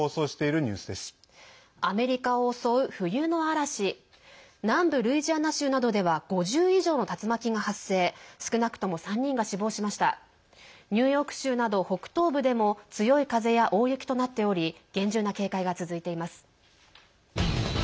ニューヨーク州など北東部でも強い風や大雪となっており厳重な警戒が続いています。